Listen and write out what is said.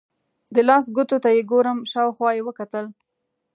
د لاس ګوتو ته یې ګورم، شاوخوا یې وکتل.